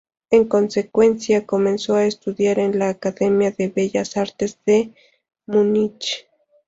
En consecuencia, comenzó a estudiar en la Academia de Bellas Artes de Múnich.